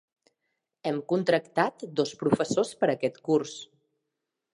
Hem contractat dos professors per a aquest curs.